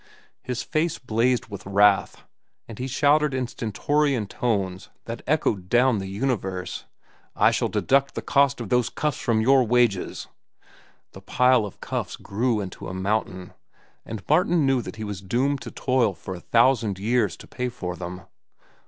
His face blazed with wrath, and he shouted in stentorian tones that echoed down the universe, "I shall deduct the cost of those cuffs from your wages!" The pile of cuffs grew into a mountain, and Martin knew that he was doomed to toil for a thousand years to pay for them.